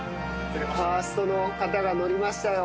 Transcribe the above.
ファーストの方が乗りましたよ。